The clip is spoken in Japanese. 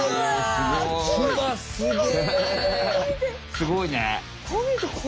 すごいね！